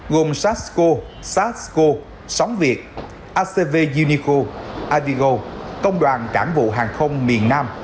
gồm sarsco sarsco sóng việt acv unico avigo công đoàn cảng vụ hàng không miền nam